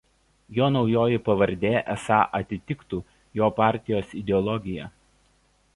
Jo naujoji pavardė esą atitiktų jo partijos ideologiją.